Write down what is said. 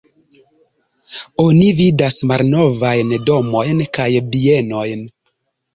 Oni vidas malnovajn domojn kaj bienojn.